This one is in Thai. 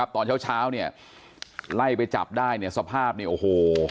ตอนเช้าเนี่ยไล่ไปจับได้เนี่ยสภาพโห